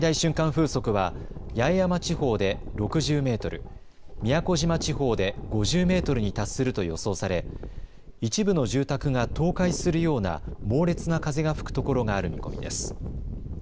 風速は八重山地方で６０メートル、宮古島地方で５０メートルに達すると予想され、一部の住宅が倒壊するような猛烈な風が吹くところがある見込みです。